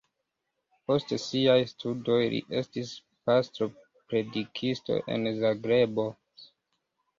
Post siaj studoj li estis pastro-predikisto en Zagrebo.